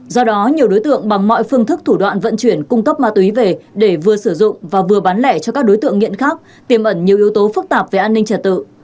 do đó nhiều đối tượng bằng mọi phương thức thủ đoạn vận chuyển cung cấp ma túy về để vừa sử dụng và vừa bán lẻ cho các đối tượng nghiện khác tiềm ẩn nhiều yếu tố phức tạp về an ninh trật tự